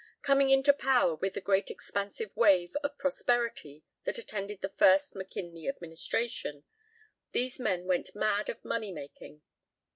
Coming into power with the great expansive wave of prosperity that attended the first McKinley administration, these men went mad of money making.